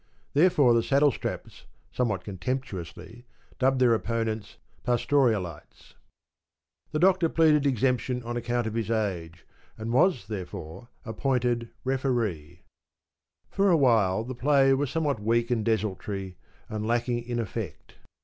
Therefore, the Saddlestraps somewhat contemptuously dubbed their opponents ‘Pastorialites.’ The Doctor pleaded exemption on account of his age, and was, therefore, appointed ‘Referee.’ For a while the play was somewhat weak and desultory, and lacking in effect.